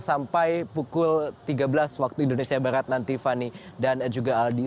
sampai pukul tiga belas waktu indonesia barat nanti fani dan juga aldi